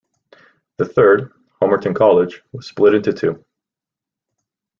The third, Homerton College, was split into two.